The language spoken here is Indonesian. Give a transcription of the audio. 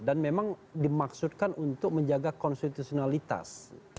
dan memang dimaksudkan untuk menjaga konstitusionalitas